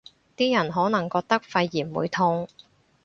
啲人可能覺得肺炎會痛